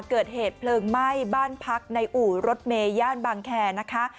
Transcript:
เกิดเหตุเพลิงไหม้บ้านพักในอู่รถเมย่านบางแคร์นะคะ